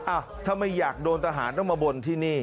อ่ะถ้าไม่อยากโดนทหารต้องมาบนที่นี่